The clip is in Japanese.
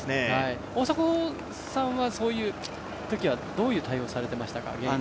大迫さんは、そういうときはどういう対応をされていますか。